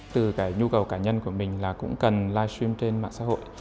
từ cái nhu cầu cá nhân của mình là cũng cần livestream trên mạng xã hội